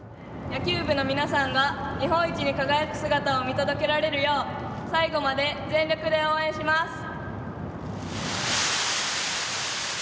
野球部の皆さんが日本一に輝く姿を見届けられるよう最後まで全力で応援します。